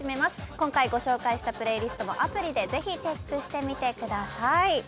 今回ご紹介したプレイリストはアプリでぜひチェックしてみてください。